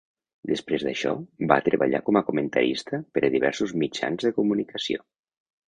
Després d'això, va treballar com a comentarista per a diversos mitjans de comunicació.